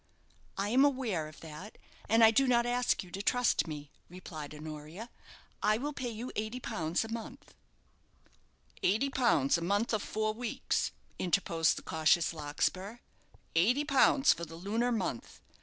"I am aware of that, and I do not ask you to trust me," replied Honoria. "I will pay you eighty pounds a month." "Eighty pounds a month of four weeks," interposed the cautious Larkspur; "eighty pounds for the lunar month.